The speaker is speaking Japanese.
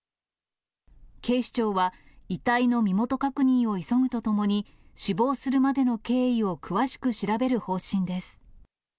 警視庁は、遺体の身元確認を急ぐとともに、死亡するまでの経緯を詳しく調べる方針です。